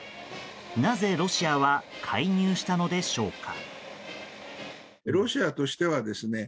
なぜロシアは介入したのでしょうか。